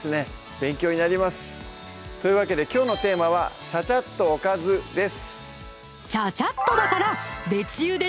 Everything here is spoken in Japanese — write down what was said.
勉強になりますというわけできょうのテーマは「ちゃちゃっとおかず」です